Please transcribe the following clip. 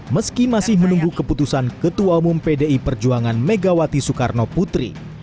meski masih menunggu keputusan ketua umum pdi perjuangan megawati soekarno putri